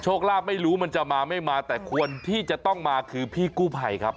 ลาบไม่รู้มันจะมาไม่มาแต่ควรที่จะต้องมาคือพี่กู้ภัยครับ